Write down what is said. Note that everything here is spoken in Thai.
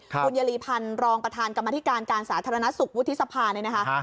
คุณยลีพันธ์รองประธานกรรมธิการการสาธารณสุขวุฒิสภาเนี่ยนะคะ